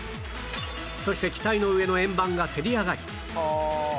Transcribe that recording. そして機体の上の円盤がせり上がり